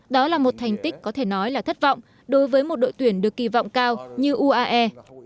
đó là một thành tích có thể nói là thất vọng đối với một đội tuyển được kỳ vọng cao như uae